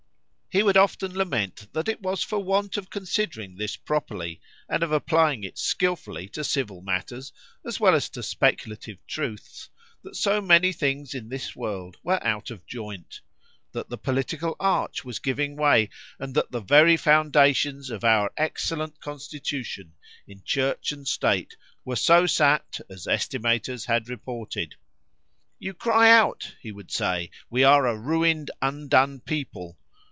He would often lament that it was for want of considering this properly, and of applying it skilfully to civil matters, as well as to speculative truths, that so many things in this world were out of joint;——that the political arch was giving way;——and that the very foundations of our excellent constitution in church and state, were so sapped as estimators had reported. You cry out, he would say, we are a ruined, undone people.